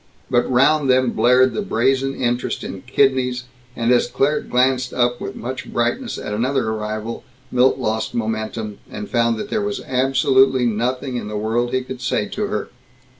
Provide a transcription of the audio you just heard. But round them blared the brazen interest in kidneys, and as Claire glanced up with much brightness at another arrival, Milt lost momentum, and found that there was absolutely nothing in the world he could say to her.